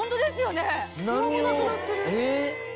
シワもなくなってる。